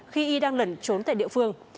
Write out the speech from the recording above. khi y đang lẩn trốn tại địa phương